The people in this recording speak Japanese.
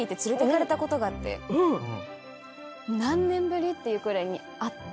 何年ぶりっていうくらいに会って。